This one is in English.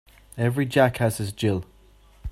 Every Jack has his Jill.